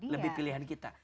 lebih pilihan kita